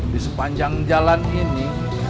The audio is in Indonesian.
di sepanjang jalan ini